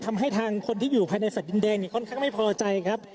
ทำให้ทางคนที่อยู่ภายในสัตว์ดินแดงเนี่ยค่อนข้างไม่พอใจครับ